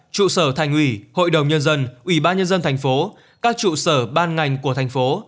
trụ sở thành ủy hội đồng nhân dân ủy ban nhân dân thành phố các trụ sở ban ngành của thành phố